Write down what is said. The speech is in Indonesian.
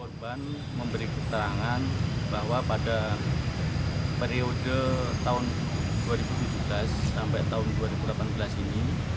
korban memberi keterangan bahwa pada periode tahun dua ribu tujuh belas sampai tahun dua ribu delapan belas ini